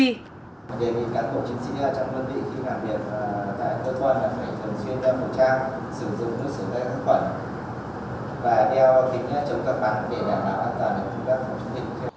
và đeo kính trong các bảng để đảm bảo an toàn các phòng chống dịch